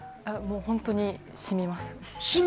本当に、しみます。